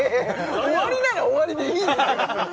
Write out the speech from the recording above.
終わりなら終わりでいいよ！